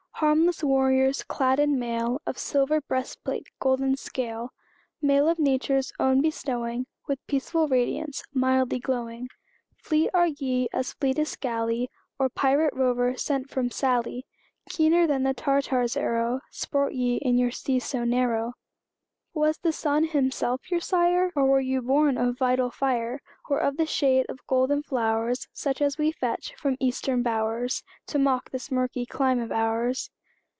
Harmless warriors, clad in mail Of silver breastplate, golden scale; Mail of Nature's own bestowing, With peaceful radiance, mildly glowing Fleet are ye as fleetest galley Or pirate rover sent from Sallee; Keener than the Tartar's arrow, Sport ye in your sea so narrow. Was the sun himself your sire? Were ye born of vital fire? Or of the shade of golden flowers, Such as we fetch from Eastern bowers, To mock this murky clime of ours?